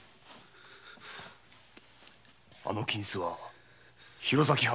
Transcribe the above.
あの金子は弘前藩の命綱。